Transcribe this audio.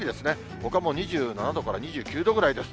ほかも２７度から２９度ぐらいです。